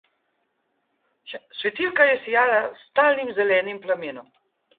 Svetilka je sijala s stalnim zelenim plamenom.